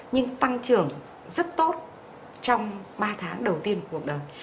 nhưng tăng trưởng rất tốt trong ba tháng đầu tiên của cuộc đời